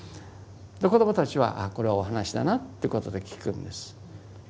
子どもたちはああこれはお話だなってことで聞くんです。